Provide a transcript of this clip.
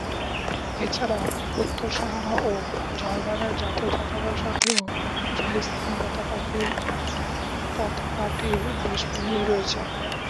এছাড়া, উত্তর সাহারা ও জর্ডানের জাতীয় পতাকার সাথেও ফিলিস্তিনী পতাকাটির বেশ মিল রয়েছে।